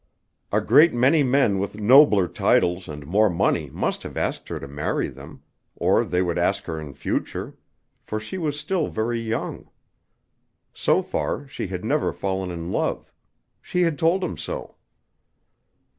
A great many men with nobler titles and more money must have asked her to marry them, or they would ask her in future; for she was still very young. So far she had never fallen in love. She had told him so.